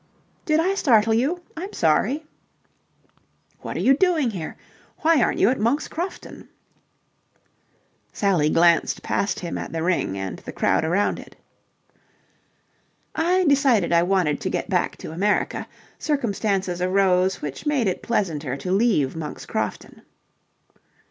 "Did I startle you? I'm sorry." "What are you doing here? Why aren't you at Monk's Crofton?" Sally glanced past him at the ring and the crowd around it. "I decided I wanted to get back to America. Circumstances arose which made it pleasanter to leave Monk's Crofton."